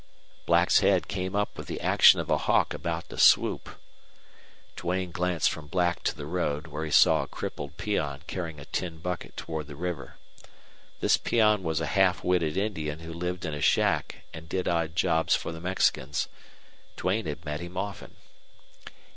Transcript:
Black's head came up with the action of a hawk about to swoop. Duane glanced from Black to the road, where he saw a crippled peon carrying a tin bucket toward the river. This peon was a half witted Indian who lived in a shack and did odd jobs for the Mexicans. Duane had met him often.